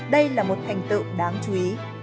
đây là một hành tựu đáng chú ý